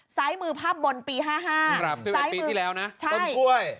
ซ้ายมือภาพบนปีห้าห้าที่แล้วนะใช่ต้นกล้วย